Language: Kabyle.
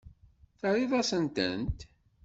Terriḍ-asent-tent.